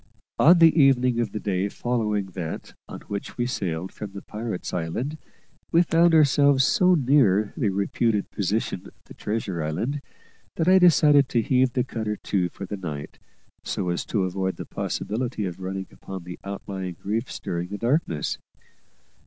On the evening of the day following that on which we sailed from the pirate's island, we found ourselves so near the reputed position of the treasure island that I decided to heave the cutter to for the night, so as to avoid the possibility of running upon the outlying reef during the darkness.